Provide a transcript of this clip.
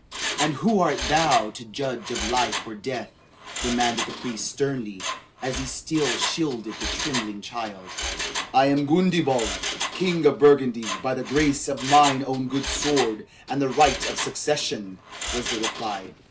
"And who art thou to judge of life or death?" demanded the priest sternly, as he still shielded the trembling child. "I am Gundebald, King of Burgundy by the grace of mine own good sword and the right of succession," was the reply.